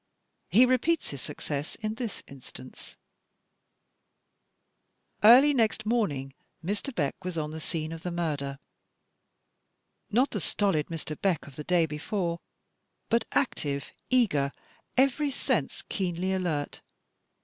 He repeats his success in this instance: Early next morning Mr. Beck was on the scene of the murder — not the stolid Mr. Beck of the day before, but active, eager, every sense keenly alert.